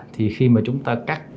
thì khi mà chúng ta cắt